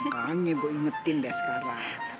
makanya gue ingetin deh sekarang